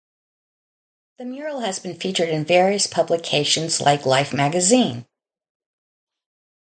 The mural has been featured in various publications like Life Magazine.